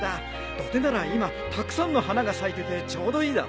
土手なら今たくさんの花が咲いててちょうどいいだろう？